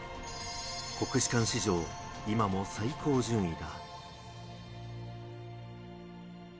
国士舘史上、今も最高順位だ。